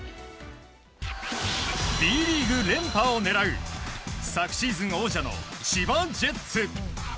Ｂリーグ連覇を狙う昨シーズン王者の千葉ジェッツ。